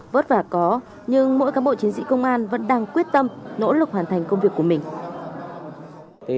vất vả có nhưng mỗi cán bộ chiến sĩ công an vẫn đang quyết tâm nỗ lực hoàn thành công việc của mình